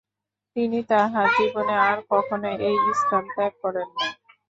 তিনি তাঁহার জীবনে আর কখনও এই স্থান ত্যাগ করেন নাই।